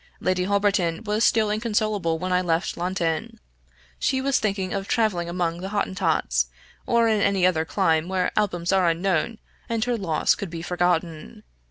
Lady Holberton was still inconsolable when I left London; she was thinking of traveling among the Hottentots, or in any other clime where albums are unknown and her loss could be forgotten.